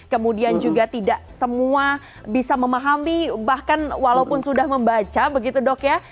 kemudian juga tidak semua bisa memahami bahkan walaupun sudah membaca begitu dok ya